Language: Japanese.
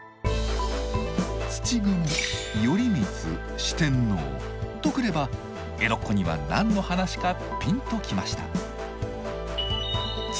土蜘蛛頼光四天王とくれば江戸っ子には何の話かピンときました。